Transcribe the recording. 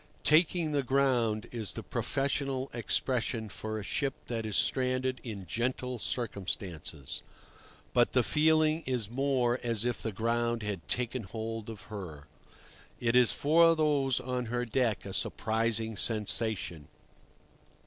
"Taking the ground" is the professional expression for a ship that is stranded in gentle circumstances. But the feeling is more as if the ground had taken hold of her. It is for those on her deck a surprising sensation.